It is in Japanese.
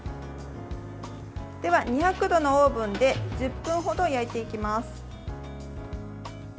では、２００度のオーブンで１０分ほど焼いていきます。